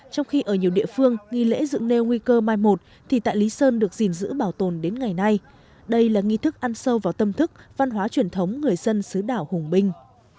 trong khi ở nhiều địa phương nghi lễ dựng nêu nguy cơ mai một thì tại lý sơn được gìn giữ bảo tồn đến ngày nay đây là nghi thức ăn sâu vào tâm thức văn hóa truyền thống người dân xứ đảo hùng binh